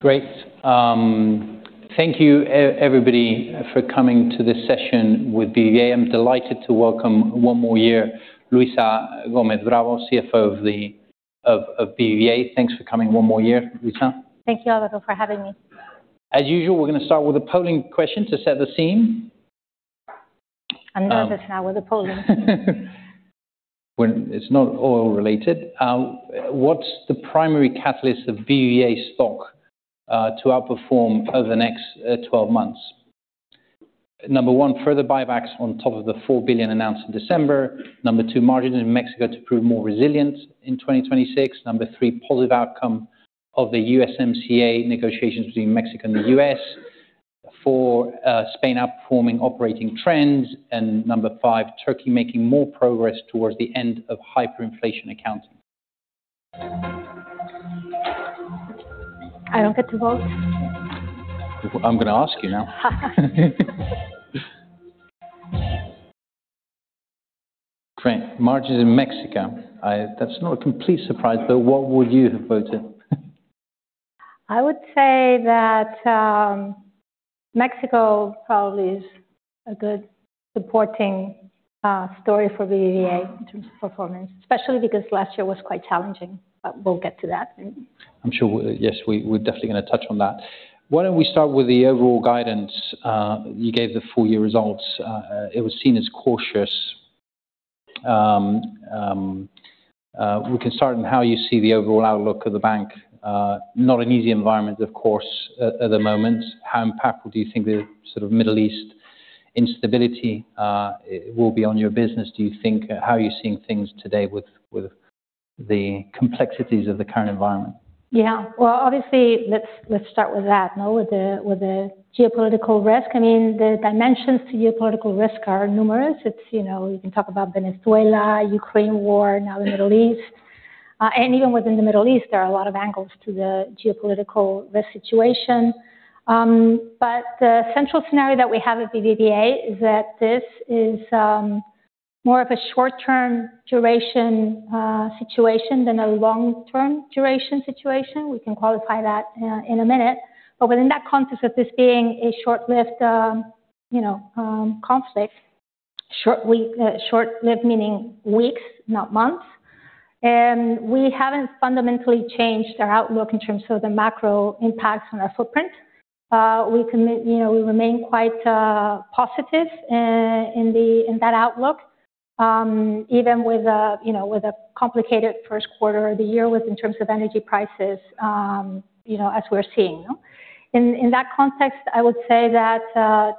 Great. Thank you everybody for coming to this session with BBVA. I'm delighted to welcome one more year, Luisa Gómez Bravo, CFO of BBVA. Thanks for coming one more year, Luisa. Thank you, Alvaro, for having me. As usual, we're gonna start with a polling question to set the scene. I'm nervous now with the polling. Well, it's not oil related. What's the primary catalyst of BBVA stock to outperform over the next 12 months? Number one, further buybacks on top of the 4 billion announced in December. Number two, margin in Mexico to prove more resilient in 2026. Number three, positive outcome of the USMCA negotiations between Mexico and the U.S. Four, Spain outperforming operating trends, and number five, Turkey making more progress towards the end of hyperinflation accounting. I don't get to vote? I'm gonna ask you now. Great. Margins in Mexico. That's not a complete surprise, but what would you have voted? I would say that, Mexico probably is a good supporting, story for BBVA in terms of performance, especially because last year was quite challenging, but we'll get to that. I'm sure. Yes, we're definitely gonna touch on that. Why don't we start with the overall guidance you gave the full year results. It was seen as cautious. We can start on how you see the overall outlook of the bank. Not an easy environment, of course, at the moment. How impactful do you think the sort of Middle East instability will be on your business, do you think? How are you seeing things today with the complexities of the current environment? Yeah. Well, obviously, let's start with that, you know, with the geopolitical risk. I mean, the dimensions to geopolitical risk are numerous. It's, you know, you can talk about Venezuela, Ukraine war, now the Middle East. And even within the Middle East, there are a lot of angles to the geopolitical risk situation. But the central scenario that we have at BBVA is that this is more of a short-term duration situation than a long-term duration situation. We can qualify that in a minute. But within that context of this being a short-lived, you know, conflict, short-lived meaning weeks, not months, we haven't fundamentally changed our outlook in terms of the macro impacts on our footprint. We can, you know, we remain quite positive in that outlook, even with a, you know, with a complicated first quarter of the year in terms of energy prices, you know, as we're seeing, you know. In that context, I would say that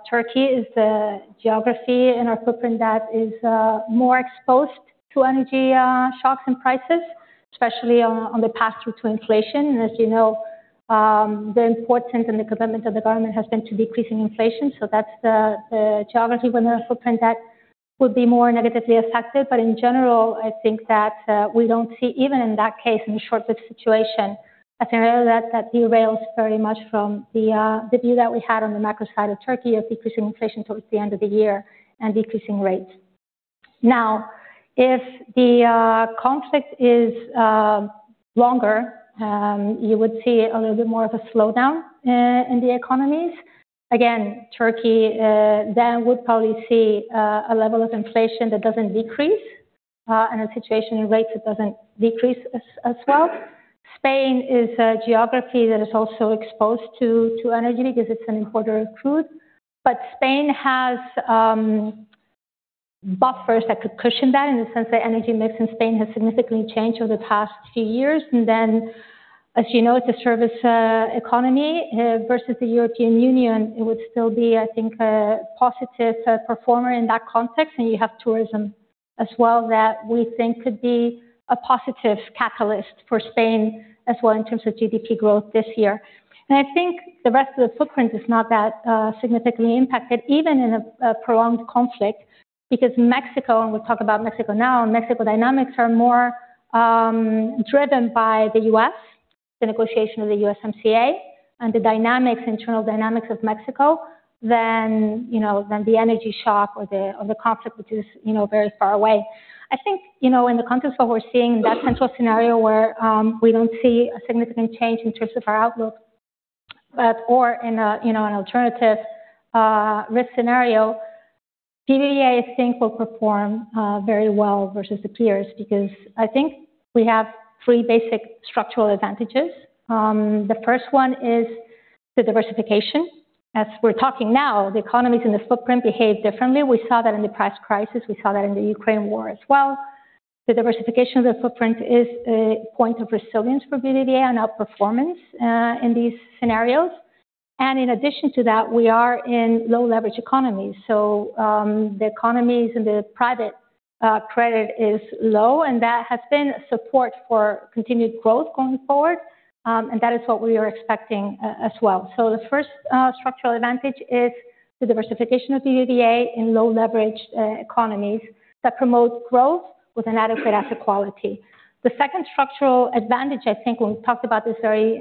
Turkey is the geography in our footprint that is more exposed to energy shocks and prices, especially on the path through to inflation. As you know, the importance and the commitment of the government has been to decreasing inflation. That's the geography within our footprint that would be more negatively affected. In general, I think that we don't see, even in that case, in a short-lived situation, a scenario that derails very much from the view that we had on the macro side of Turkey of decreasing inflation towards the end of the year and decreasing rates. Now, if the conflict is longer, you would see a little bit more of a slowdown in the economies. Again, Turkey then would probably see a level of inflation that doesn't decrease and a situation in rates that doesn't decrease as well. Spain is a geography that is also exposed to energy because it's an importer of crude. Spain has buffers that could cushion that in the sense that energy mix in Spain has significantly changed over the past few years. Then as you know, it's a service economy versus the European Union. It would still be, I think, a positive performer in that context. You have tourism as well, that we think could be a positive catalyst for Spain as well in terms of GDP growth this year. I think the rest of the footprint is not that significantly impacted even in a prolonged conflict, because Mexico, and we'll talk about Mexico now, Mexico dynamics are more driven by the U.S., the negotiation of the USMCA and the dynamics, internal dynamics of Mexico than, you know, than the energy shock or the conflict, which is, you know, very far away. I think, you know, in the context of what we're seeing, that central scenario where, we don't see a significant change in terms of our outlook, or in a, you know, an alternative, risk scenario, BBVA, I think, will perform, very well versus the peers because I think we have three basic structural advantages. The first one is the diversification. As we're talking now, the economies in the footprint behave differently. We saw that in the price crisis. We saw that in the Ukraine war as well. The diversification of the footprint is a point of resilience for BBVA and outperformance, in these scenarios. In addition to that, we are in low leverage economies. The economies and the private credit is low, and that has been support for continued growth going forward. That is what we are expecting as well. The first structural advantage is the diversification of BBVA in low leverage economies that promote growth with an adequate asset quality. The second structural advantage, I think, and we've talked about this very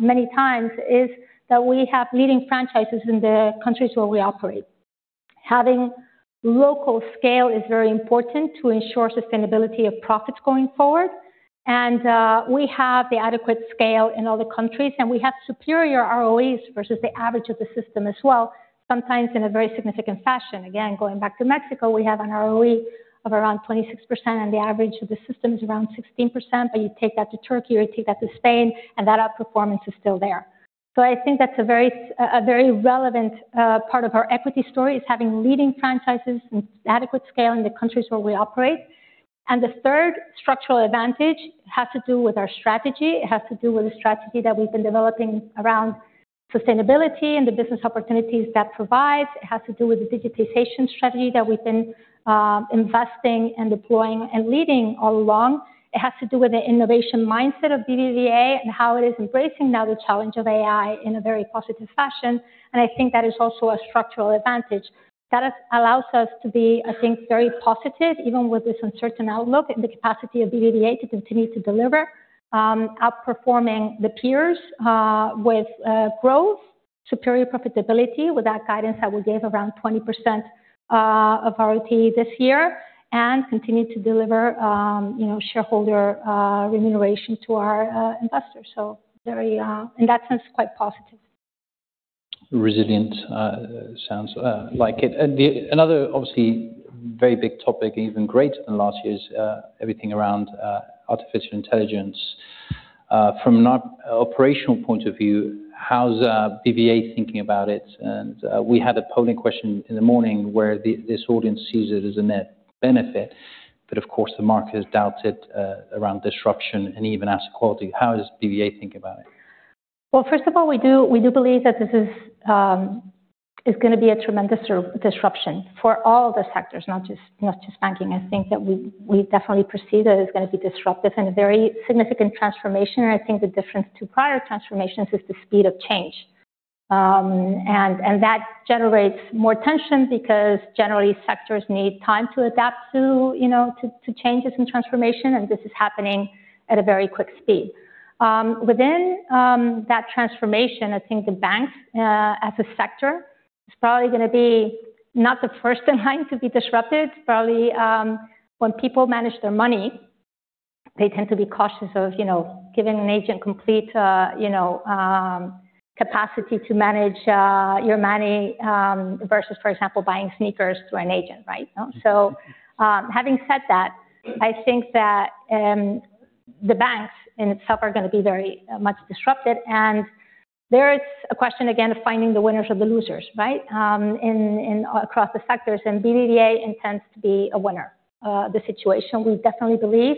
many times, is that we have leading franchises in the countries where we operate. Having local scale is very important to ensure sustainability of profits going forward. We have the adequate scale in all the countries, and we have superior ROEs versus the average of the system as well, sometimes in a very significant fashion. Again, going back to Mexico, we have an ROE of around 26%, and the average of the system is around 16%. But you take that to Turkey or you take that to Spain, and that outperformance is still there. I think that's a very relevant part of our equity story, is having leading franchises and adequate scale in the countries where we operate. The third structural advantage has to do with our strategy. It has to do with the strategy that we've been developing around sustainability and the business opportunities that provides. It has to do with the digitization strategy that we've been investing and deploying and leading all along. It has to do with the innovation mindset of BBVA and how it is embracing now the challenge of AI in a very positive fashion. I think that is also a structural advantage. That allows us to be, I think, very positive, even with this uncertain outlook and the capacity of BBVA to continue to deliver outperforming the peers with growth, superior profitability. With that guidance that we gave around 20% of our ROTE this year and continue to deliver, you know, shareholder remuneration to our investors. Very in that sense, quite positive. Resilient sounds like it. Another obviously very big topic, even greater than last year's, everything around artificial intelligence. From an operational point of view, how's BBVA thinking about it? We had a polling question in the morning where this audience sees it as a net benefit, but of course, the market has doubted around disruption and even task quality. How does BBVA think about it? Well, first of all, we do believe that this is gonna be a tremendous disruption for all the sectors, not just banking. I think that we definitely perceive that it's gonna be disruptive and a very significant transformation. I think the difference to prior transformations is the speed of change. That generates more tension because generally sectors need time to adapt to, you know, changes in transformation, and this is happening at a very quick speed. Within that transformation, I think the banks, as a sector, is probably gonna be not the first in line to be disrupted. Probably, when people manage their money, they tend to be cautious of, you know, giving an agent complete, you know, capacity to manage, your money, versus, for example, buying sneakers through an agent, right? You know? Having said that, I think that, the banks themselves are gonna be very much disrupted. There is a question, again, of finding the winners or the losers, right? Across the sectors. BBVA intends to be a winner of the situation. We definitely believe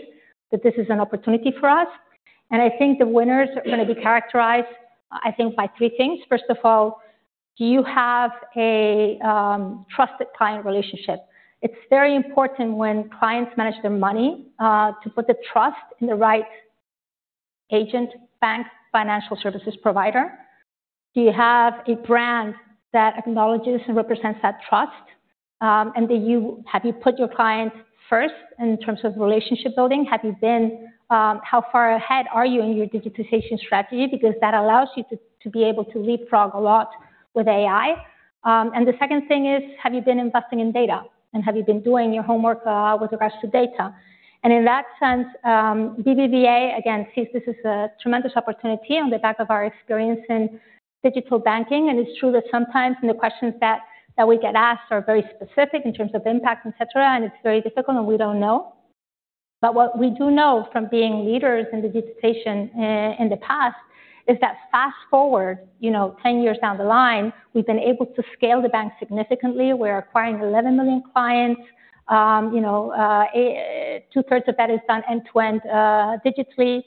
that this is an opportunity for us. I think the winners are gonna be characterized, I think, by three things. First of all, do you have a trusted client relationship? It's very important when clients manage their money, to put the trust in the right agent, bank, financial services provider. Do you have a brand that acknowledges and represents that trust? Have you put your client first in terms of relationship building? Have you been, how far ahead are you in your digitization strategy? Because that allows you to be able to leapfrog a lot with AI. The second thing is, have you been investing in data? Have you been doing your homework, with regards to data? In that sense, BBVA, again, sees this as a tremendous opportunity on the back of our experience in digital banking. It's true that sometimes, and the questions that we get asked are very specific in terms of impact, et cetera, and it's very difficult, and we don't know. What we do know from being leaders in the digitization in the past is that fast-forward, you know, 10 years down the line, we've been able to scale the bank significantly. We're acquiring 11 million clients. Two-thirds of that is done end-to-end digitally.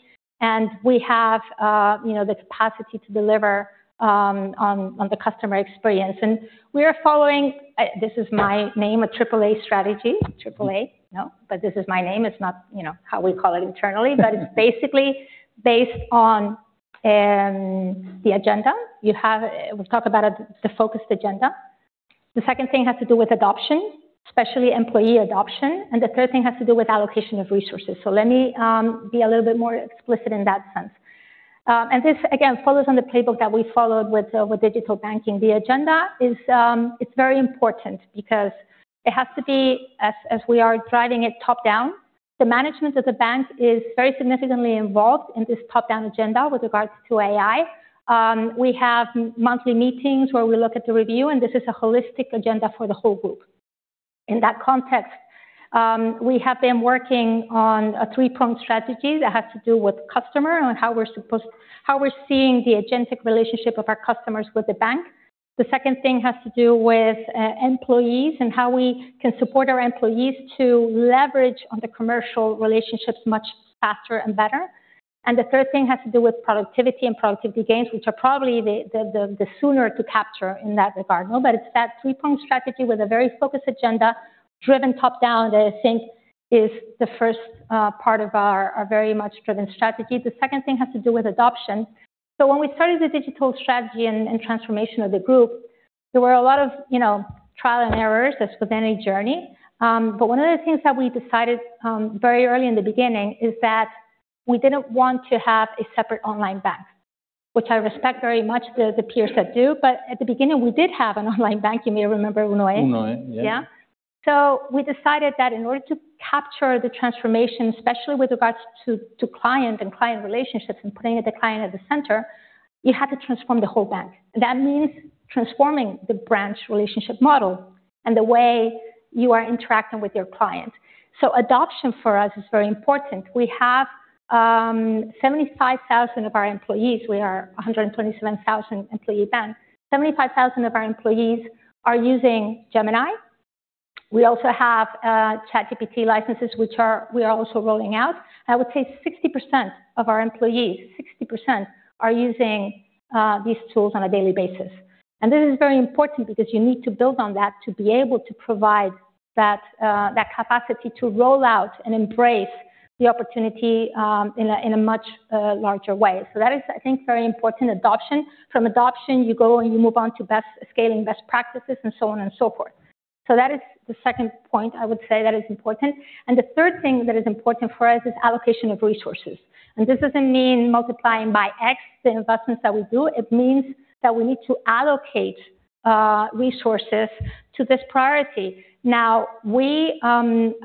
We have the capacity to deliver on the customer experience. We are following this is my name a triple A strategy. Triple A. No, this is my name. It's not, you know, how we call it internally. It's basically based on the agenda. We've talked about the focused agenda. The second thing has to do with adoption, especially employee adoption. The third thing has to do with allocation of resources. Let me be a little bit more explicit in that sense. This, again, follows on the playbook that we followed with digital banking. The agenda is, it's very important because it has to be as we are driving it top-down. The management of the bank is very significantly involved in this top-down agenda with regards to AI. We have monthly meetings where we look at the review, and this is a holistic agenda for the whole group. In that context, we have been working on a three-pronged strategy that has to do with customer and how we're seeing the agentic relationship of our customers with the bank. The second thing has to do with employees and how we can support our employees to leverage on the commercial relationships much faster and better. The third thing has to do with productivity and productivity gains, which are probably the soonest to capture in that regard. No, but it's that three-pronged strategy with a very focused agenda driven top-down that I think is the first part of our very much driven strategy. The second thing has to do with adoption. When we started the digital strategy and transformation of the group, there were a lot of you know trials and errors, as with any journey. But one of the things that we decided very early in the beginning is that we didn't want to have a separate online bank, which I respect very much the peers that do. At the beginning, we did have an online bank, you may remember Unoe. Unoe, yeah. Yeah. We decided that in order to capture the transformation, especially with regards to client and client relationships and putting the client at the center, you had to transform the whole bank. That means transforming the branch relationship model and the way you are interacting with your client. Adoption for us is very important. We have 75,000 of our employees; we are a 127,000 employee bank. 75,000 of our employees are using Gemini. We also have ChatGPT licenses, which we are also rolling out. I would say 60% of our employees are using these tools on a daily basis. This is very important because you need to build on that to be able to provide that capacity to roll out and embrace the opportunity, in a, in a much, larger way. That is, I think, very important adoption. From adoption, you go and you move on to best scaling, best practices, and so on and so forth. That is the second point I would say that is important. The third thing that is important for us is allocation of resources. This doesn't mean multiplying by X the investments that we do. It means that we need to allocate, resources to this priority. Now, we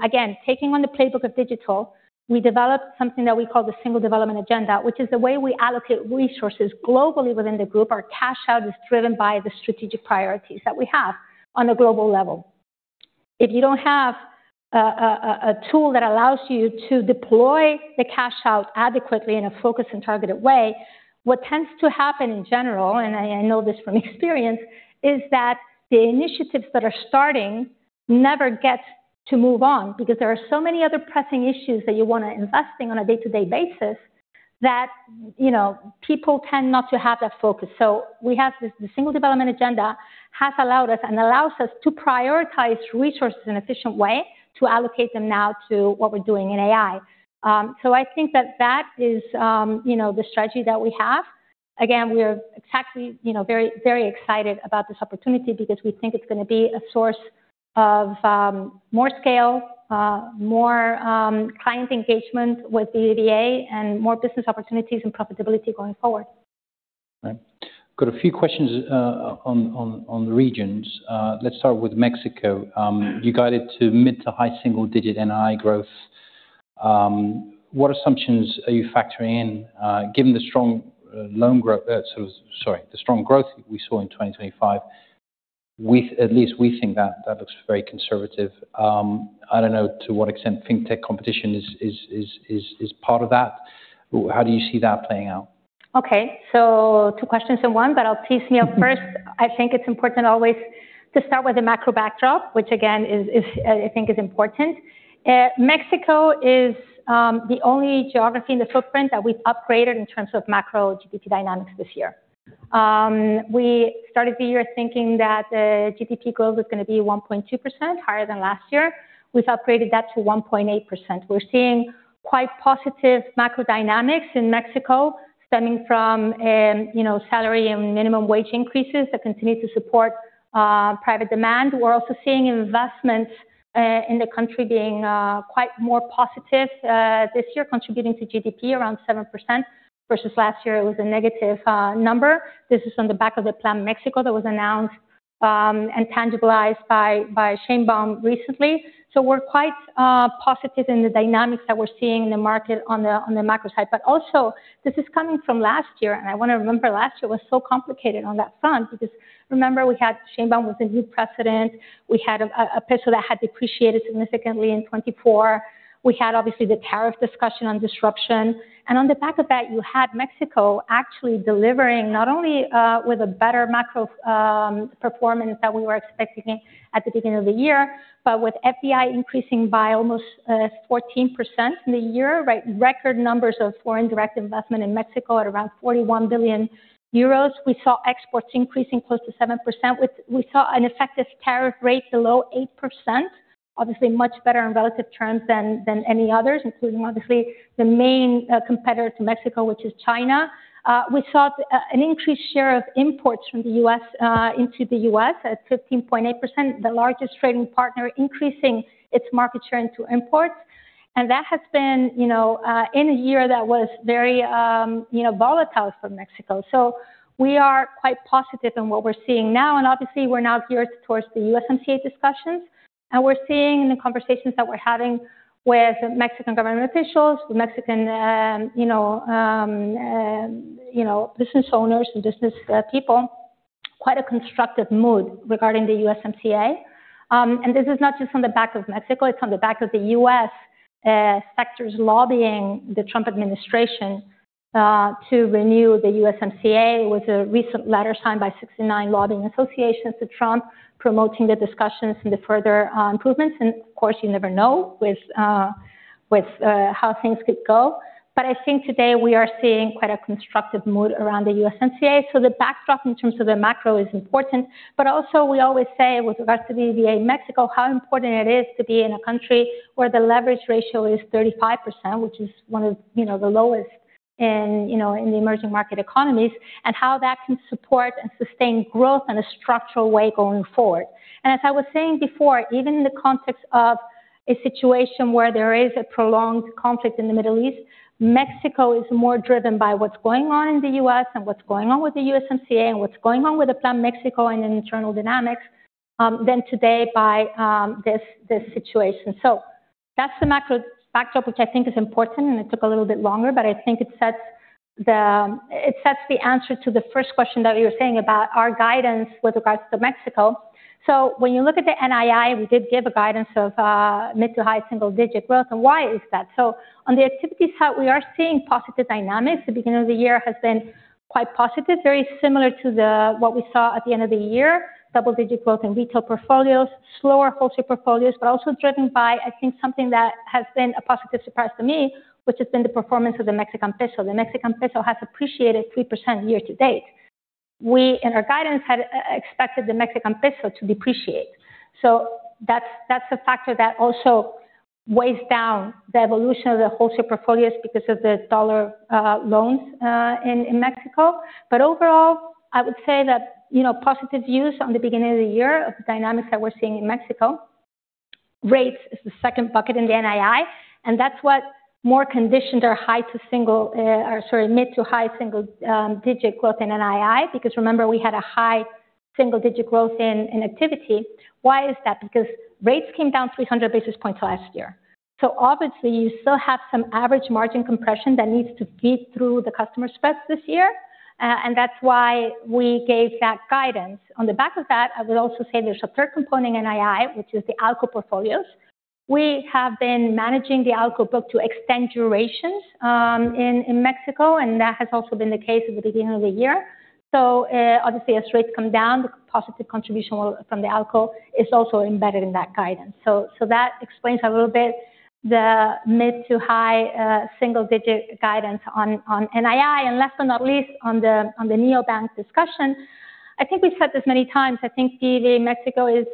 again, taking on the playbook of digital, we developed something that we call the Single Development Agenda, which is the way we allocate resources globally within the group. Our cash out is driven by the strategic priorities that we have on a global level. If you don't have a tool that allows you to deploy the cash out adequately in a focused and targeted way, what tends to happen in general, and I know this from experience, is that the initiatives that are starting never get to move on because there are so many other pressing issues that you wanna invest in on a day-to-day basis that, you know, people tend not to have that focus. We have this, the Single Development Agenda has allowed us and allows us to prioritize resources in an efficient way to allocate them now to what we're doing in AI. I think that is, you know, the strategy that we have. Again, we are exactly, you know, very, very excited about this opportunity because we think it's gonna be a source of more scale, more client engagement with BBVA and more business opportunities and profitability going forward. Right. Got a few questions on the regions. Let's start with Mexico. You got it to mid- to high single-digit% NII growth. What assumptions are you factoring in, given the strong loan growth, the strong growth we saw in 2025, at least we think that looks very conservative. I don't know to what extent fintech competition is part of that. How do you see that playing out? Okay. Two questions in one, but I'll tee them up. First, I think it's important always to start with the macro backdrop, which again is, I think, important. Mexico is the only geography in the footprint that we've upgraded in terms of macro GDP dynamics this year. We started the year thinking that GDP growth was gonna be 1.2% higher than last year. We've upgraded that to 1.8%. We're seeing quite positive macro dynamics in Mexico stemming from you know salary and minimum wage increases that continue to support private demand. We're also seeing investments in the country being quite more positive this year, contributing to GDP around 7% versus last year, it was a negative number. This is on the back of the Plan Mexico that was announced and tangibilized by Sheinbaum recently. We're quite positive in the dynamics that we're seeing in the market on the macro side. Also this is coming from last year, and I wanna remember last year was so complicated on that front because remember we had Sheinbaum was the new president. We had a peso that had depreciated significantly in 2024. We had obviously the tariff discussion on disruption. On the back of that, you had Mexico actually delivering not only with a better macro performance than we were expecting at the beginning of the year, but with FDI increasing by almost 14% in the year, right? Record numbers of foreign direct investment in Mexico at around 41 billion euros. We saw exports increasing close to 7%. We saw an effective tariff rate below 8%, obviously much better in relative terms than any others, including obviously the main competitor to Mexico, which is China. We saw an increased share of imports from the U.S. into the U.S. at 15.8%, the largest trading partner increasing its market share into imports. That has been, you know, in a year that was very, you know, volatile for Mexico. We are quite positive in what we're seeing now, and obviously we're now geared towards the USMCA discussions. We're seeing in the conversations that we're having with Mexican government officials, with Mexican business owners and business people, quite a constructive mood regarding the USMCA. This is not just on the back of Mexico, it's on the back of the U.S., sectors lobbying the Trump administration to renew the USMCA, with a recent letter signed by 69 lobbying associations to Trump promoting the discussions and the further improvements. Of course, you never know with how things could go. I think today we are seeing quite a constructive mood around the USMCA. The backdrop in terms of the macro is important, but also we always say with regards to BBVA Mexico, how important it is to be in a country where the leverage ratio is 35%, which is one of, you know, the lowest in, you know, in the emerging market economies and how that can support and sustain growth in a structural way going forward. As I was saying before, even in the context of a situation where there is a prolonged conflict in the Middle East, Mexico is more driven by what's going on in the U.S. and what's going on with the USMCA and what's going on with the Plan Mexico and internal dynamics, than today by this situation. That's the macro backdrop, which I think is important, and it took a little bit longer, but I think it sets the answer to the first question that you were saying about our guidance with regards to Mexico. When you look at the NII, we did give a guidance of mid- to high-single-digit growth. Why is that? On the activities side, we are seeing positive dynamics. The beginning of the year has been quite positive, very similar to what we saw at the end of the year, double-digit growth in retail portfolios, slower wholesale portfolios, but also driven by, I think, something that has been a positive surprise to me, which has been the performance of the Mexican peso. The Mexican peso has appreciated 3% year to date. We, in our guidance, had expected the Mexican peso to depreciate. That's a factor that also weighs down the evolution of the wholesale portfolios because of the dollar loans in Mexico. Overall, I would say that, you know, positive views on the beginning of the year of the dynamics that we're seeing in Mexico. Rates is the second bucket in the NII, and that's what more conditioned our mid- to high-single-digit growth in NII, because remember, we had a high-single-digit growth in activity. Why is that? Because rates came down 300 basis points last year. Obviously you still have some average margin compression that needs to feed through the customer spreads this year, and that's why we gave that guidance. On the back of that, I would also say there's a third component in NII, which is the ALCO portfolios. We have been managing the ALCO book to extend durations in Mexico, and that has also been the case at the beginning of the year. Obviously as rates come down, the positive contribution from the ALCO is also embedded in that guidance. That explains a little bit the mid- to high-single-digit guidance on NII. Last but not least, on the neobank discussion. I think we've said this many times. I think BBVA Mexico is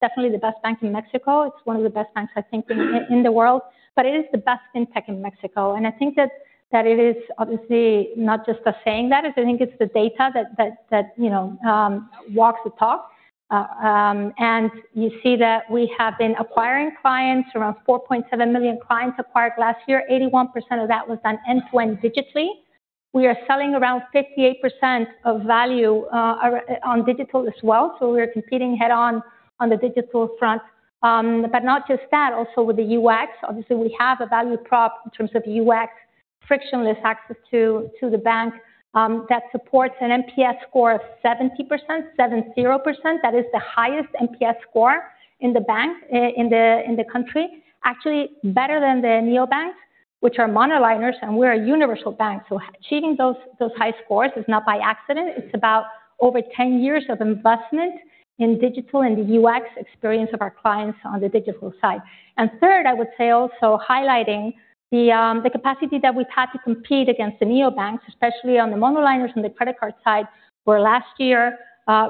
definitely the best bank in Mexico. It's one of the best banks, I think, in the world, but it is the best fintech in Mexico. I think that it is obviously not just us saying that. I think it's the data that you know walks the talk. You see that we have been acquiring clients, around 4.7 million clients acquired last year. 81% of that was done end-to-end digitally. We are selling around 58% of our value on digital as well. We are competing head-on on the digital front. not just that, also with the UX, obviously we have a value prop in terms of UX frictionless access to the bank, that supports an NPS score of 70%, 70%. That is the highest NPS score in the bank, in the country. Actually better than the neobanks, which are monoliners, and we're a universal bank. Achieving those high scores is not by accident. It's about over 10 years of investment in digital and the UX experience of our clients on the digital side. Third, I would say also highlighting the capacity that we've had to compete against the neobanks, especially on the monoliners and the credit card side, where last year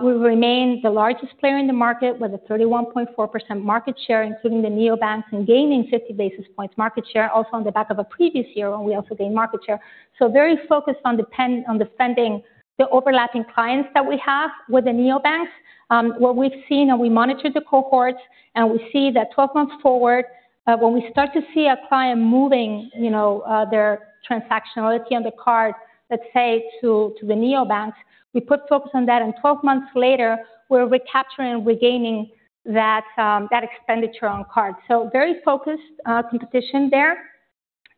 we remained the largest player in the market with a 31.4% market share, including the neobanks, and gaining 50 basis points market share also on the back of a previous year when we also gained market share. Very focused on defending the overlapping clients that we have with the neobanks. What we've seen, and we monitored the cohorts, and we see that 12 months forward, when we start to see a client moving, you know, their transactionality on the card, let's say to the neobanks, we put focus on that, and twelve months later, we're recapturing and regaining that expenditure on card. Very focused competition there.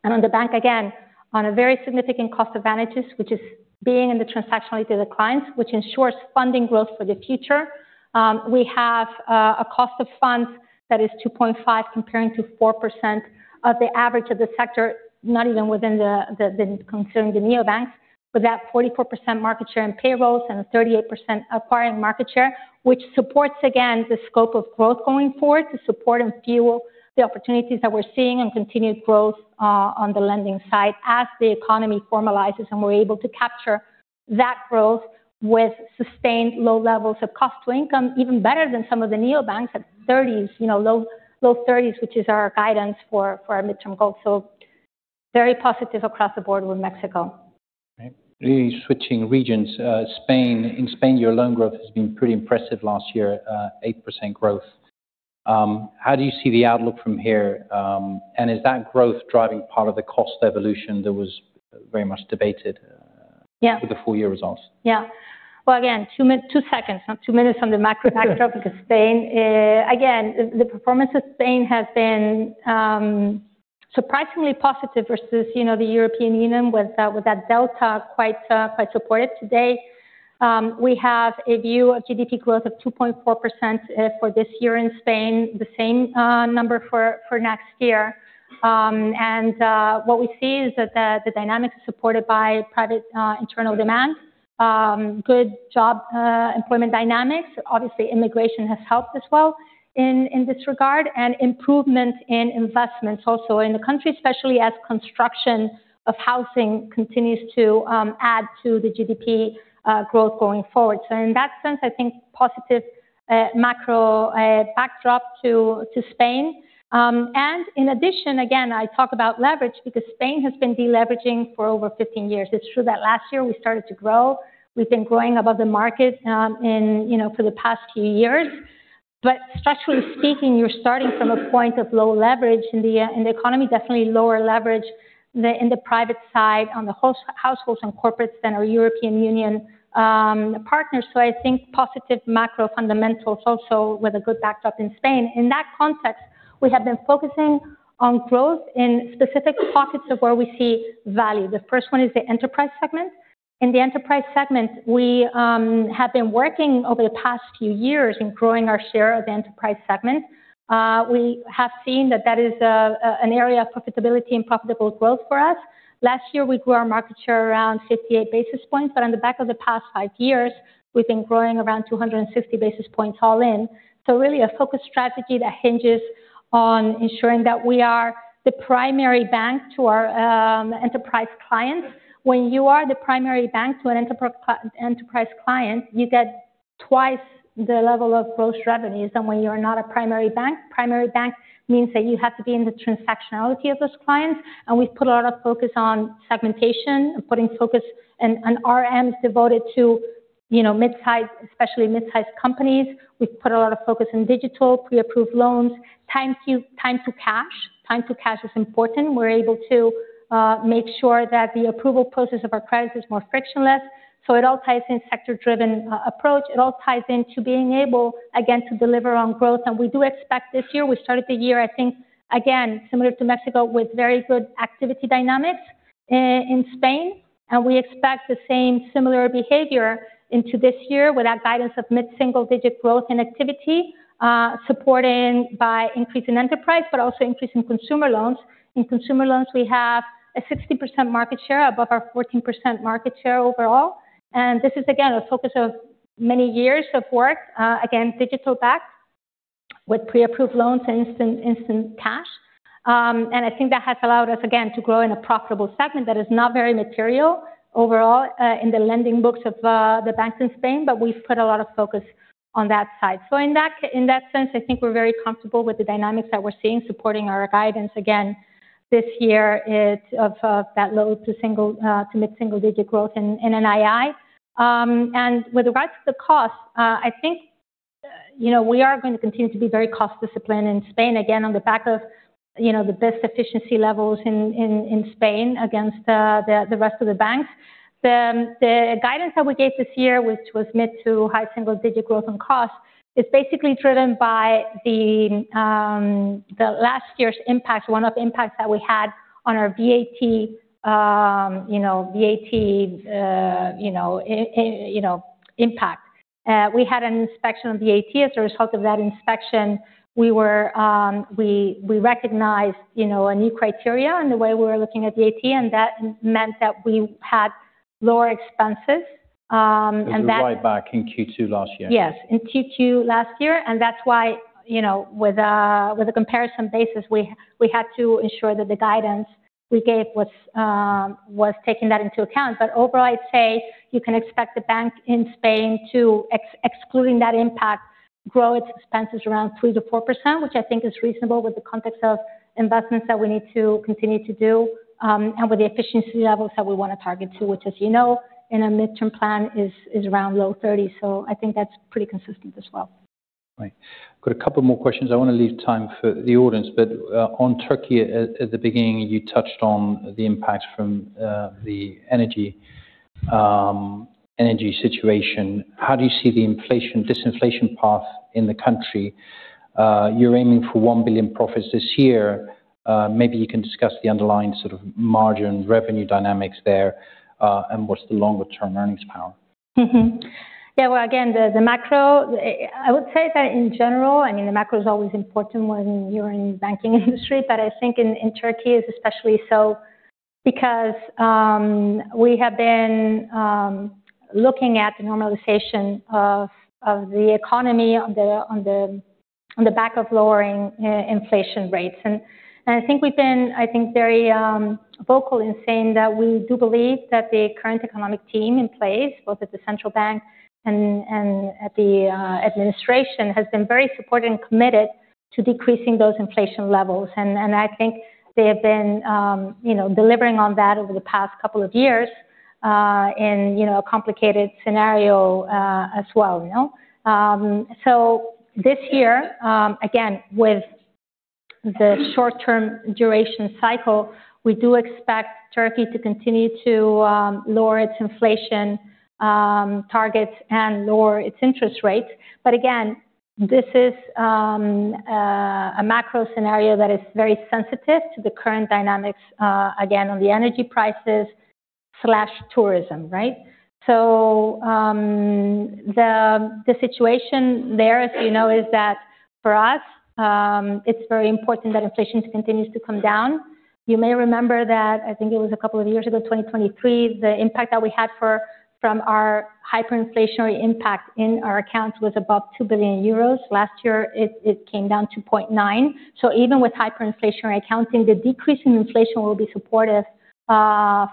On the bank, again, on a very significant cost advantages, which is being transactionally to the clients, which ensures funding growth for the future. We have a cost of funds that is 2.5% compared to 4% of the average of the sector, not even within considering the neobanks. With that 44% market share in payrolls and a 38% acquiring market share, which supports again the scope of growth going forward to support and fuel the opportunities that we're seeing and continued growth on the lending side as the economy formalizes, and we're able to capture that growth with sustained low levels of cost to income, even better than some of the neobanks at 30s, you know, low 30s, which is our guidance for our midterm goal. Very positive across the board with Mexico. Okay. Really switching regions, Spain. In Spain, your loan growth has been pretty impressive last year, 8% growth. How do you see the outlook from here? And is that growth driving part of the cost evolution that was very much debated? Yeah. for the full year results? Yeah. Well, again, two seconds, not two minutes on the macro backdrop of Spain. Again, the performance of Spain has been surprisingly positive versus, you know, the European Union with that delta quite supportive today. We have a view of GDP growth of 2.4% for this year in Spain, the same number for next year. What we see is that the dynamic is supported by private internal demand, good job employment dynamics. Obviously, immigration has helped as well in this regard, and improvement in investments also in the country, especially as construction of housing continues to add to the GDP growth going forward. In that sense, I think positive macro backdrop to Spain. In addition, again, I talk about leverage because Spain has been deleveraging for over 15 years. It's true that last year we started to grow. We've been growing above the market, you know, for the past few years. Structurally speaking, you're starting from a point of low leverage in the economy, definitely lower leverage in the private side on the households and corporates than our European Union partners. I think positive macro fundamentals also with a good backdrop in Spain. In that context, we have been focusing on growth in specific pockets of where we see value. The first one is the enterprise segment. In the enterprise segment, we have been working over the past few years in growing our share of the enterprise segment. We have seen that is an area of profitability and profitable growth for us. Last year, we grew our market share around 58 basis points, but on the back of the past five years, we've been growing around 260 basis points all in. Really a focused strategy that hinges on ensuring that we are the primary bank to our enterprise clients. When you are the primary bank to an enterprise client, you get twice the level of gross revenues than when you are not a primary bank. Primary bank means that you have to be in the transactionality of those clients, and we've put a lot of focus on segmentation and putting focus and RMs devoted to, you know, midsize, especially midsize companies. We've put a lot of focus in digital, pre-approved loans, time to cash. Time to cash is important. We're able to make sure that the approval process of our credits is more frictionless. It all ties in sector-driven approach. It all ties into being able, again, to deliver on growth. We do expect this year, we started the year, I think, again, similar to Mexico, with very good activity dynamics in Spain. We expect the same similar behavior into this year with our guidance of mid-single digit growth and activity, supported by increase in enterprise, but also increase in consumer loans. In consumer loans, we have a 60% market share above our 14% market share overall. This is again a focus of many years of work, again, digital backed with pre-approved loans and instant cash. I think that has allowed us, again, to grow in a profitable segment that is not very material overall, in the lending books of the banks in Spain, but we've put a lot of focus on that side. In that sense, I think we're very comfortable with the dynamics that we're seeing supporting our guidance again this year. It's of that low- to mid-single-digit growth in NII. With regards to the cost, I think, you know, we are going to continue to be very cost disciplined in Spain, again, on the back of, you know, the best efficiency levels in Spain against the rest of the banks. The guidance that we gave this year, which was mid- to high-single-digit growth and cost, is basically driven by the last year's one-off impact that we had on our VAT impact. We had an inspection of VAT. As a result of that inspection, we recognized, you know, a new criteria in the way we were looking at VAT, and that meant that we had lower expenses, and that. It was right back in Q2 last year. Yes, in Q2 last year. That's why, you know, with the comparison basis, we had to ensure that the guidance we gave was taking that into account. Overall, I'd say you can expect the bank in Spain, excluding that impact, to grow its expenses around 3%-4%, which I think is reasonable with the context of investments that we need to continue to do, and with the efficiency levels that we want to target to, which, as you know, in a midterm plan is around low 30%. I think that's pretty consistent as well. Right. Got a couple more questions. I want to leave time for the audience. On Turkey, at the beginning, you touched on the impact from the energy situation. How do you see the inflation disinflation path in the country? You're aiming for 1 billion profits this year. Maybe you can discuss the underlying sort of margin revenue dynamics there, and what's the longer term earnings power? Yeah, well, again, the macro, I would say that in general, I mean, the macro is always important when you're in the banking industry, but I think in Turkey, it's especially so because we have been looking at the normalization of the economy on the back of lowering inflation rates. I think we've been very vocal in saying that we do believe that the current economic team in place, both at the central bank and at the administration, has been very supportive and committed to decreasing those inflation levels. I think they have been, you know, delivering on that over the past couple of years, in, you know, a complicated scenario, as well, you know. This year, again, with the short-term duration cycle, we do expect Turkey to continue to lower its inflation targets and lower its interest rates. This is a macro scenario that is very sensitive to the current dynamics, again, on the energy prices, tourism, right? The situation there, as you know, is that for us, it's very important that inflation continues to come down. You may remember that, I think it was a couple of years ago, 2023, the impact that we had from our hyperinflationary impact in our accounts was above 2 billion euros. Last year, it came down to 0.9 billion. Even with hyperinflationary accounting, the decrease in inflation will be supportive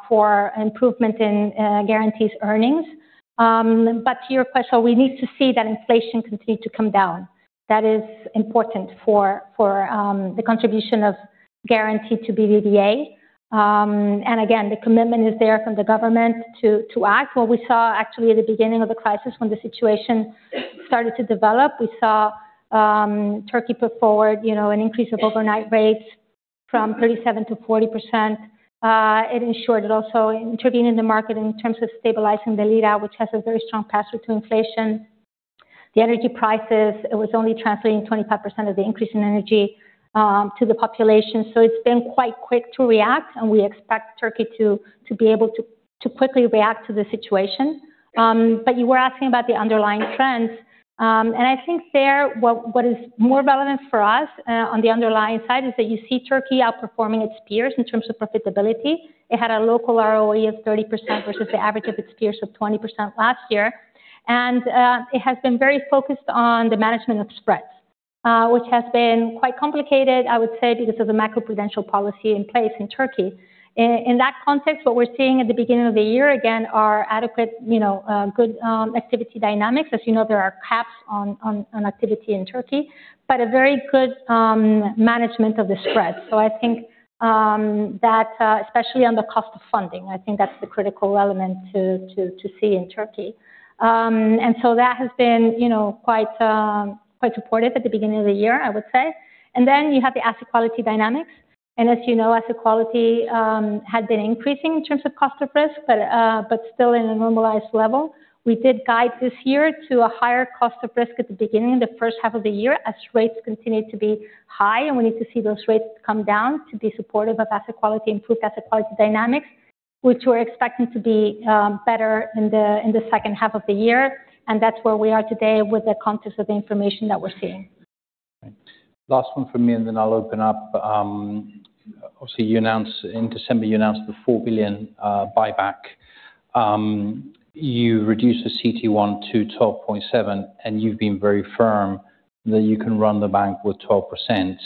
for improvement in Garanti's earnings. To your question, we need to see that inflation continue to come down. That is important for the contribution of Garanti to BBVA. Again, the commitment is there from the government to act. What we saw actually at the beginning of the crisis when the situation started to develop, we saw Turkey put forward, you know, an increase of overnight rates from 37%-40%. It also intervened in the market in terms of stabilizing the lira, which has a very strong pass-through to inflation. The energy prices, it was only translating 25% of the increase in energy to the population. It's been quite quick to react, and we expect Turkey to be able to quickly react to the situation. You were asking about the underlying trends. I think what is more relevant for us on the underlying side is that you see Turkey outperforming its peers in terms of profitability. It had a local ROE of 30% versus the average of its peers of 20% last year. It has been very focused on the management of spreads, which has been quite complicated, I would say, because of the macroprudential policy in place in Turkey. In that context, what we're seeing at the beginning of the year again are adequate, you know, good activity dynamics. As you know, there are caps on activity in Turkey, but a very good management of the spread. I think that especially on the cost of funding, I think that's the critical element to see in Turkey. That has been, you know, quite supportive at the beginning of the year, I would say. Then you have the asset quality dynamics. As you know, asset quality had been increasing in terms of cost of risk, but still in a normalized level. We did guide this year to a higher cost of risk at the beginning, the first half of the year, as rates continued to be high, and we need to see those rates come down to be supportive of asset quality, improved asset quality dynamics, which we're expecting to be better in the second half of the year. That's where we are today with the context of the information that we're seeing. Last one from me, and then I'll open up. Obviously, in December, you announced the 4 billion buyback. You reduced the CET1 to 12.7%, and you've been very firm that you can run the bank with 12%.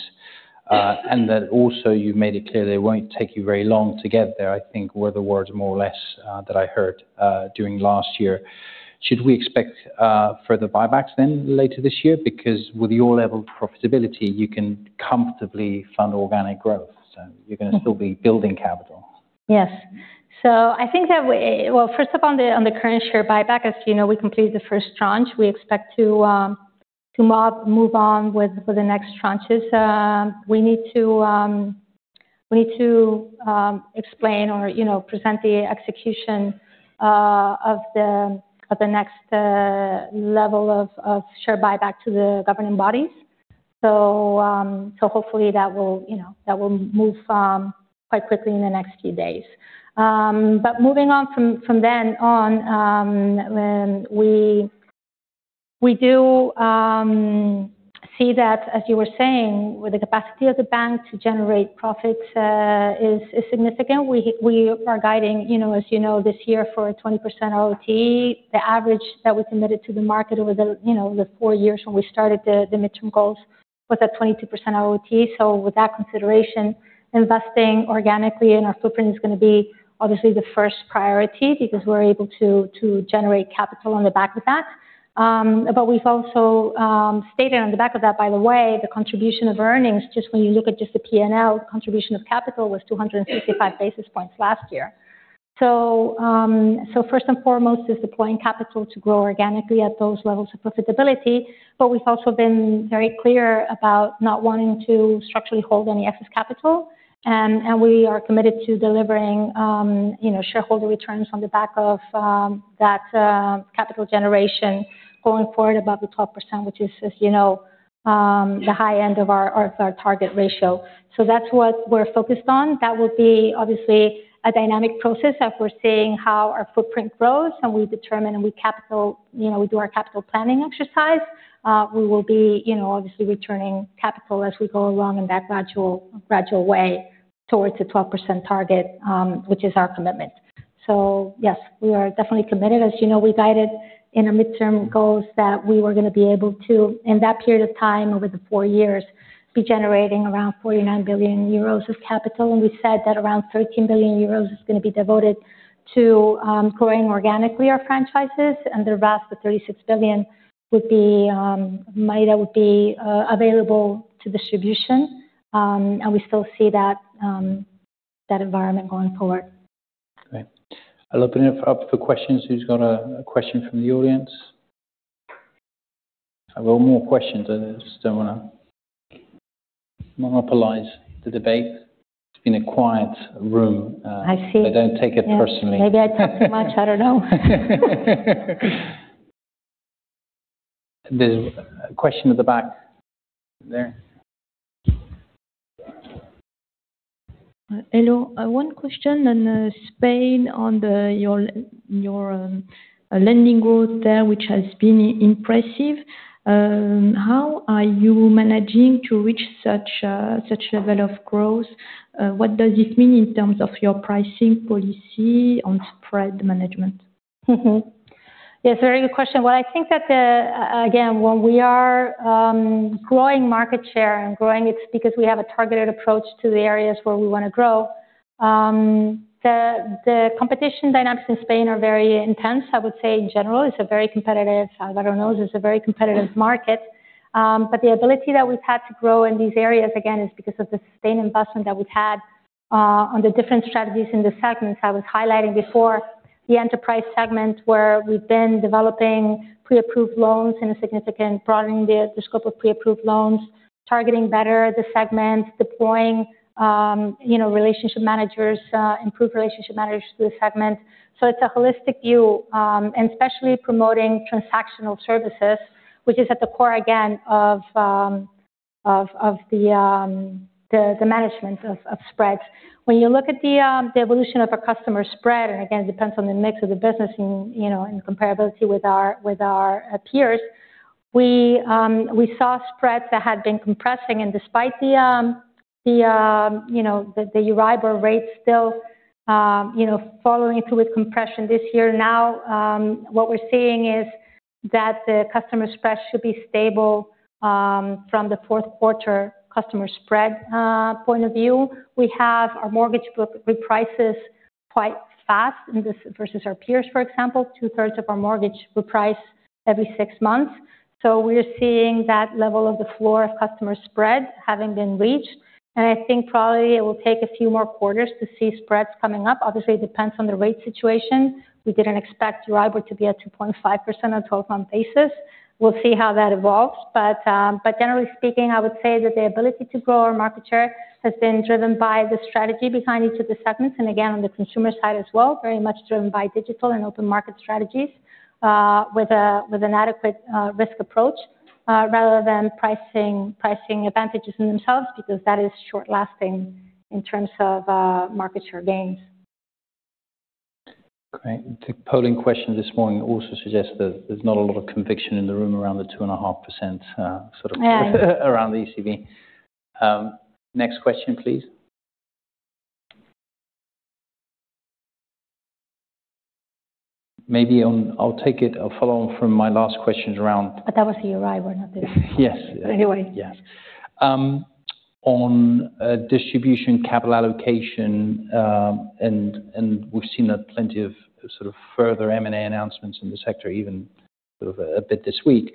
That also you made it clear that it won't take you very long to get there, I think were the words more or less, that I heard during last year. Should we expect further buybacks then later this year? Because with your level of profitability, you can comfortably fund organic growth, so you're gonna still be building capital. Yes. I think. Well, first of all, on the current share buyback, as you know, we completed the first tranche. We expect to move on with the next tranches. We need to explain or, you know, present the execution of the next level of share buyback to the governing bodies. Hopefully that will, you know, that will move quite quickly in the next few days. Moving on, from then on, when we do see that, as you were saying, with the capacity of the bank to generate profits is significant. We are guiding, you know, as you know, this year for a 20% ROTE. The average that we committed to the market over the you know the four years when we started the midterm goals was at 22% ROTE. With that consideration, investing organically in our footprint is gonna be obviously the first priority because we're able to generate capital on the back of that. We've also stated on the back of that, by the way, the contribution of earnings, just when you look at just the P&L contribution of capital, was 255 basis points last year. First and foremost is deploying capital to grow organically at those levels of profitability. We've also been very clear about not wanting to structurally hold any excess capital. We are committed to delivering, you know, shareholder returns on the back of that capital generation going forward above the 12%, which is, as you know, the high end of our target ratio. That's what we're focused on. That will be obviously a dynamic process as we're seeing how our footprint grows and we determine, you know, we do our capital planning exercise. We will be, you know, obviously returning capital as we go along in that gradual way towards the 12% target, which is our commitment. Yes, we are definitely committed. As you know, we guided in our midterm goals that we were gonna be able to, in that period of time, over the four years, be generating around 49 billion euros of capital. We said that around 13 billion euros is gonna be devoted to growing organically our franchises and the rest of 36 billion would be available to distribution. We still see that environment going forward. Okay. I'll open it up for questions. Who's got a question from the audience? I've got more questions. I just don't wanna monopolize the debate. It's been a quiet room. I see. Don't take it personally. Maybe I talk too much. I don't know. There's a question at the back there. Hello. One question on Spain on your lending growth there, which has been impressive. How are you managing to reach such a level of growth? What does this mean in terms of your pricing policy on spread management? Yes, very good question. Well, I think that when we are growing market share and growing, it's because we have a targeted approach to the areas where we wanna grow. The competition dynamics in Spain are very intense. I would say in general, it's a very competitive banking market. Banking is a very competitive market. But the ability that we've had to grow in these areas, again, is because of the sustained investment that we've had on the different strategies in the segments I was highlighting before, the enterprise segments where we've been developing pre-approved loans in a significant broadening the scope of pre-approved loans, targeting better the segments, deploying you know, relationship managers, improved relationship managers to the segment. It's a holistic view, and especially promoting transactional services, which is at the core, again, of the management of spreads. When you look at the evolution of a customer spread, and again, it depends on the mix of the business and comparability with our peers. We saw spreads that had been compressing and despite the Euribor rates still following through with compression this year now, what we're seeing is that the customer spread should be stable from the fourth quarter customer spread point of view. We have our mortgage book reprices quite fast versus our peers, for example, two-thirds of our mortgage reprice every six months. We're seeing that level of the floor of customer spread having been reached. I think probably it will take a few more quarters to see spreads coming up. Obviously, it depends on the rate situation. We didn't expect Euribor to be at 2.5% on a 12-month basis. We'll see how that evolves. Generally speaking, I would say that the ability to grow our market share has been driven by the strategy behind each of the segments, and again, on the consumer side as well, very much driven by digital and open market strategies, with an adequate risk approach, rather than pricing advantages in themselves because that is short-lasting in terms of market share gains. Great. The polling question this morning also suggests that there's not a lot of conviction in the room around the 2.5%, sort of around the ECB. Next question, please. I'll take it. I'll follow on from my last questions around- That was the Euribor. Yes. Anyway. Yes. On distribution, capital allocation, and we've seen plenty of sort of further M&A announcements in the sector, even sort of a bit this week.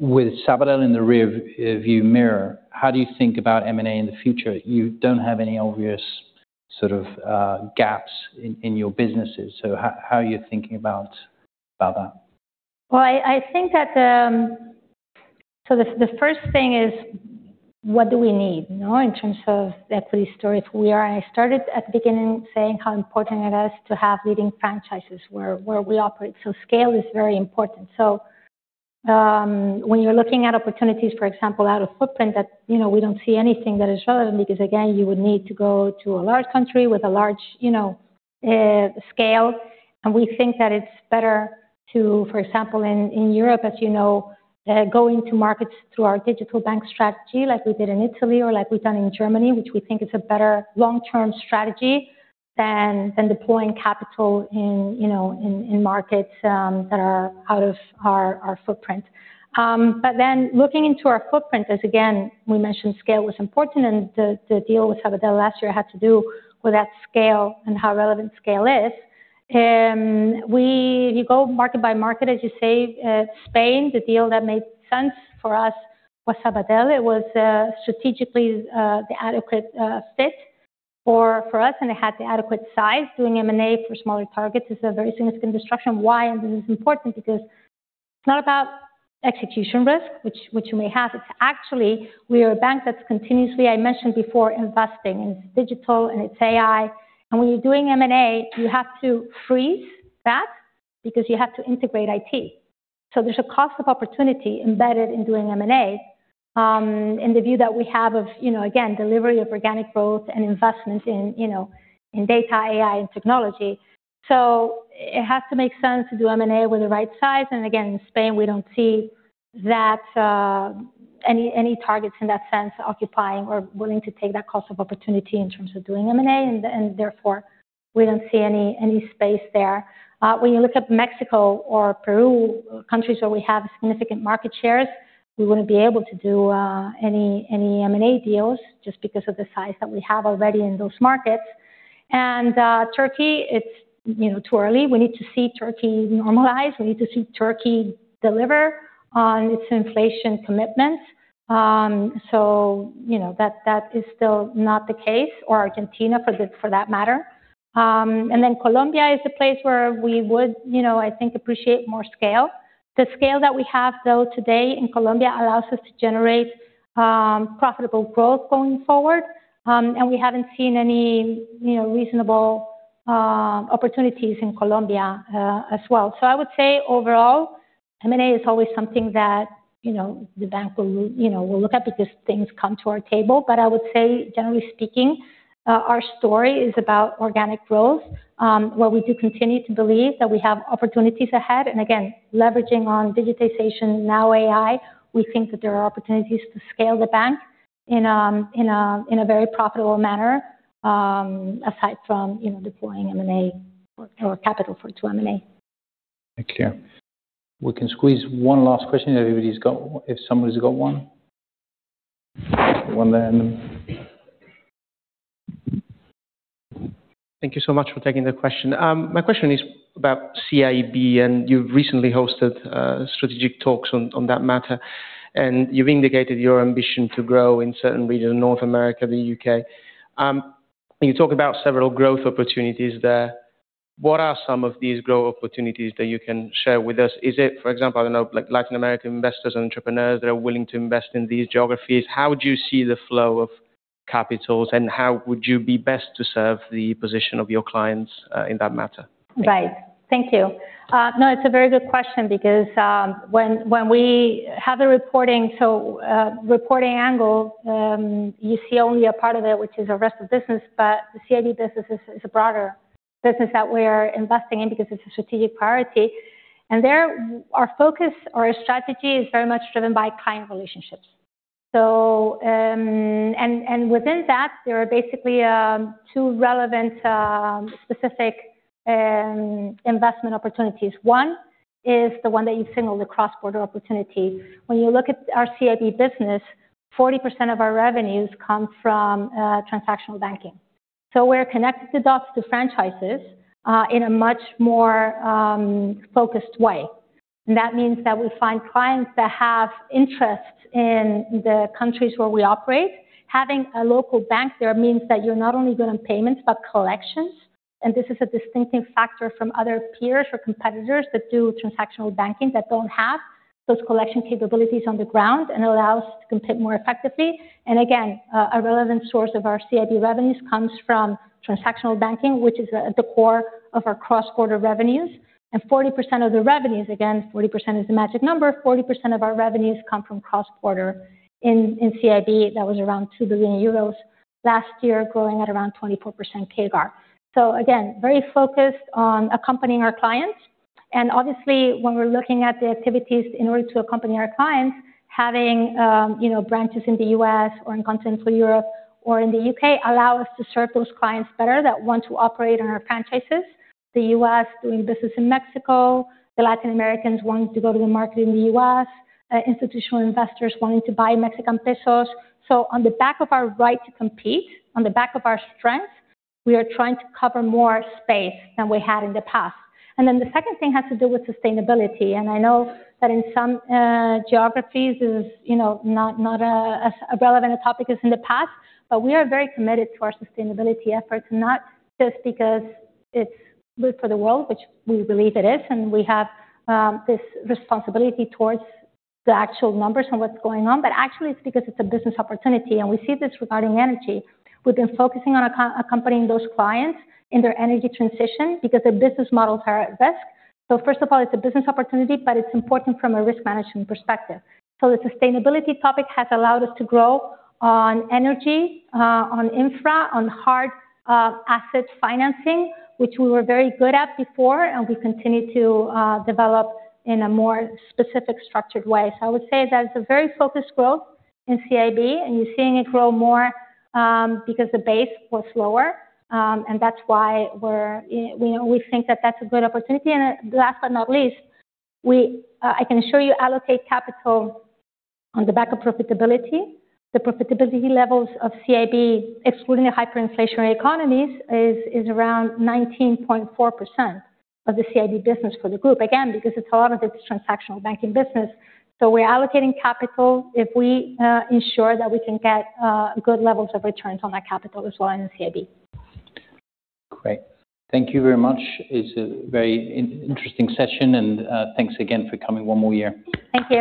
With Sabadell in the rearview mirror, how do you think about M&A in the future? You don't have any obvious sort of gaps in your businesses. How are you thinking about that? I think that the first thing is what do we need, you know, in terms of equity stories? I started at the beginning saying how important it is to have leading franchises where we operate. Scale is very important. When you're looking at opportunities, for example, out of footprint that, you know, we don't see anything that is relevant because again, you would need to go to a large country with a large, you know, scale. We think that it's better to, for example, in Europe, as you know, go into markets through our digital bank strategy like we did in Italy or like we've done in Germany, which we think is a better long-term strategy than deploying capital in, you know, in markets that are out of our footprint. Looking into our footprint, as again, we mentioned scale was important and the deal with Sabadell last year had to do with that scale and how relevant scale is. If you go market by market, as you say, Spain, the deal that made sense for us was Sabadell. It was strategically the adequate fit for us, and it had the adequate size. Doing M&A for smaller targets is a very significant disruption. Why? This is important because it's not about execution risk, which you may have. It's actually we are a bank that's continuously, I mentioned before, investing in digital and it's AI. When you're doing M&A, you have to freeze that because you have to integrate IT. There's a cost of opportunity embedded in doing M&A, in the view that we have of, you know, again, delivery of organic growth and investment in, you know, in data, AI, and technology. It has to make sense to do M&A with the right size. Again, in Spain, we don't see that any targets in that sense occupying or willing to take that cost of opportunity in terms of doing M&A, and therefore we don't see any space there. When you look at Mexico or Peru, countries where we have significant market shares, we wouldn't be able to do any M&A deals just because of the size that we have already in those markets. Turkey, it's, you know, too early. We need to see Turkey normalize. We need to see Turkey deliver on its inflation commitments. That is still not the case in Argentina for that matter. Colombia is a place where we would, you know, I think appreciate more scale. The scale that we have though today in Colombia allows us to generate profitable growth going forward. We haven't seen any, you know, reasonable opportunities in Colombia as well. I would say overall, M&A is always something that, you know, the bank will look at because things come to our table. I would say generally speaking, our story is about organic growth, where we do continue to believe that we have opportunities ahead. Again, leveraging on digitization now AI, we think that there are opportunities to scale the bank in a very profitable manner, aside from, you know, deploying M&A or capital for it to M&A. Thank you. We can squeeze one last question if somebody's got one. Thank you so much for taking the question. My question is about CIB, and you've recently hosted strategic talks on that matter. You've indicated your ambition to grow in certain regions, North America, the UK. You talk about several growth opportunities there. What are some of these growth opportunities that you can share with us? Is it, for example, I don't know, like Latin American investors and entrepreneurs that are willing to invest in these geographies? How do you see the flow of capitals, and how would you be best to serve the position of your clients in that matter? Right. Thank you. No, it's a very good question because when we have a reporting angle, you see only a part of it, which is the rest of business, but the CIB business is a broader business that we are investing in because it's a strategic priority. There, our focus or our strategy is very much driven by client relationships. Within that, there are basically two relevant specific investment opportunities. One is the one that you signal the cross-border opportunity. When you look at our CIB business, 40% of our revenues come from transactional banking. We're connecting the dots to franchises in a much more focused way. That means that we find clients that have interests in the countries where we operate. Having a local bank there means that you're not only doing payments, but collections. This is a distinctive factor from other peers or competitors that do transactional banking that don't have those collection capabilities on the ground and allow us to compete more effectively. Again, a relevant source of our CIB revenues comes from transactional banking, which is the core of our cross-border revenues. 40% of the revenues, again, 40% is the magic number. 40% of our revenues come from cross-border in CIB. That was around 2 billion euros last year, growing at around 24% CAGR. Again, very focused on accompanying our clients. Obviously, when we're looking at the activities in order to accompany our clients, having you know branches in the U.S. or in Continental Europe or in the U.K. allow us to serve those clients better that want to operate on our franchises. The U.S. doing business in Mexico, the Latin Americans wanting to go to the market in the U.S., institutional investors wanting to buy Mexican pesos. On the back of our right to compete, on the back of our strength, we are trying to cover more space than we had in the past. The second thing has to do with sustainability. I know that in some geographies, it is, you know, not as relevant a topic as in the past, but we are very committed to our sustainability efforts, not just because it's good for the world, which we believe it is, and we have this responsibility towards the actual numbers and what's going on. Actually it's because it's a business opportunity, and we see this regarding energy. We've been focusing on accompanying those clients in their energy transition because their business models are at risk. First of all, it's a business opportunity, but it's important from a risk management perspective. The sustainability topic has allowed us to grow on energy, on infra, on hard asset financing, which we were very good at before, and we continue to develop in a more specific structured way. I would say that it's a very focused growth in CIB, and you're seeing it grow more, because the base was lower. That's why we're, you know, we think that that's a good opportunity. Last but not least, we, I can assure you allocate capital on the back of profitability. The profitability levels of CIB, excluding the hyperinflationary economies, is around 19.4% of the CIB business for the group. Again, because it's a lot of this transactional banking business. We're allocating capital if we ensure that we can get good levels of returns on that capital as well in CIB. Great. Thank you very much. It's a very interesting session, and thanks again for coming one more year. Thank you.